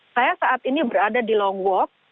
saya saat ini berada di long walk